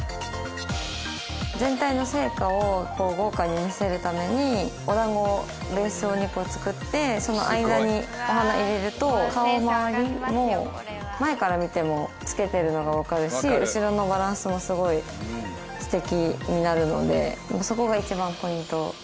全体の生花を豪華に見せるためにお団子をベースに作ってその間にお花を入れると顔まわりも前から見てもつけてるのがわかるし後ろのバランスもすごい素敵になるのでそこが一番ポイント。